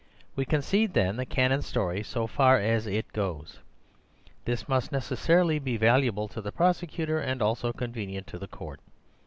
We concede, then, the canon's story so far as it goes. This must necessarily be valuable to the prosecutor and also convenient to the court.